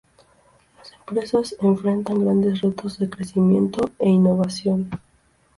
Las empresas enfrentan grandes retos de crecimiento e innovación.